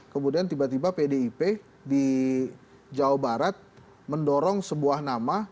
kemudian tiba tiba pdip di jawa barat mendorong sebuah nama